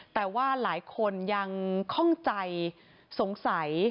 แต่ว่าหลายคนยังคล่องใจสงสัย